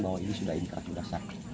bahwa ini sudah ingkirah sudah sah